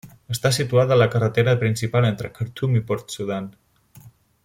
Està situada a la carretera principal entre Khartum i Port Sudan.